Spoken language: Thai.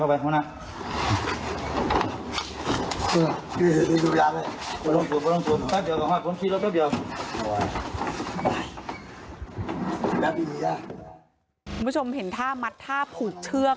คุณผู้ชมเห็นท่ามัดท่าผูกเชือก